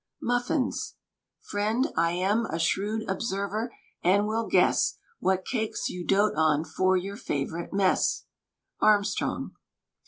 MUFFINS. Friend, I am a shrewd observer, and will guess What cakes you doat on for your favorite mess. ARMSTRONG.